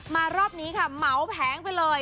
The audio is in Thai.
รอบนี้ค่ะเหมาแผงไปเลย